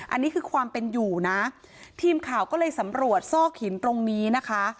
อันนี้คือความเป็นอยู่นะทีมข่าวก็เลยสำรวจซอกหินตรงนี้นะคะ